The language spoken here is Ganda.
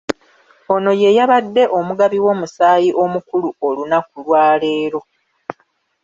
Ono yeyabadde omugabi w’omusaayi omukulu olunaku lwaleero.